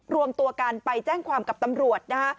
รวมตัวกันไปแจ้งความกับตำรวจนะฮะ